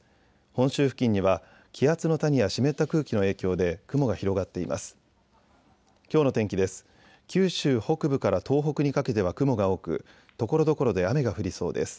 本州付近には気圧の谷や湿った空気の影響で雲が広がっています。